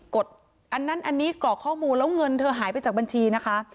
ดอันนั้นอันนี้กรอกข้อมูลแล้วเงินเธอหายไปจากบัญชีนะคะ